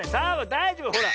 だいじょうぶほら。